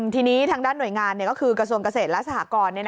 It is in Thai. ทีนี้ทางด้านหน่วยงานก็คือกระทรวงเกษตรและสหกร